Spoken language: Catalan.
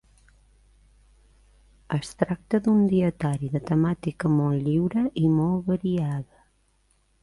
Es tracta d’un dietari de temàtica molt lliure i molt variada.